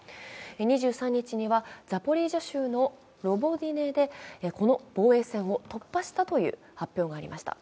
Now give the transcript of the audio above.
２３日にはザポリージャ州のロボティネでこの防衛線を突破したという発表がありました